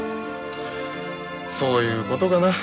そういうことかな。